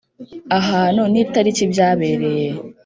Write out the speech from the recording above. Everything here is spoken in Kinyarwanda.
Ahantu n itariki byabereye